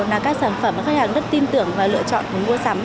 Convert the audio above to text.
là các sản phẩm khách hàng rất tin tưởng và lựa chọn để mua sắm